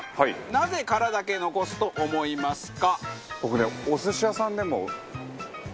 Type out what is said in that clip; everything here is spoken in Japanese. なぜ、殻だけ残すと思いますか？